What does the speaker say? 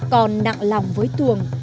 còn nặng lòng với tuồng